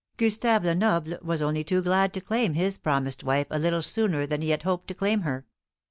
Gustave Lenoble was only too glad to claim his promised wife a little sooner than he had hoped to claim her.